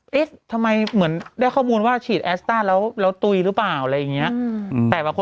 ที่มันเหมือนได้ข้อมูลว่าฉีดแอสตาร์แล้วตุยรึเปล่า